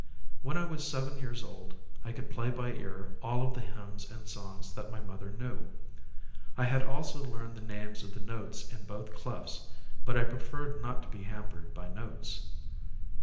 When I was seven years old, I could play by ear all of the hymns and songs that my mother knew. I had also learned the names of the notes in both clefs, but I preferred not to be hampered by notes.